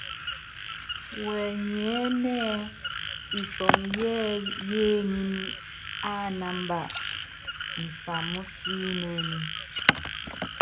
Wɛnyɛɛ́nɛ́ ɛ́ɛ́ isɔmɔ yɛ́ɛ́yí yééŋíní ánámba nsamɔ́síinoni.